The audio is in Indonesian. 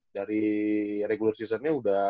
dari regular season nya udah